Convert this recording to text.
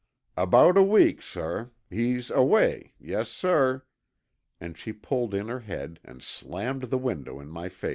"About a week, suh. He's away, yessuh," and she pulled in her head and slammed the window in my face.